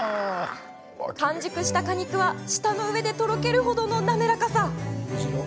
完熟した果肉は、舌の上でとろける程の滑らかさ。